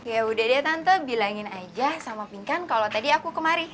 ya udah deh tante bilangin aja sama pingkan kalau tadi aku kemari